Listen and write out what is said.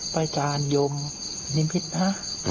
พระจานยมนิมภิกษนะ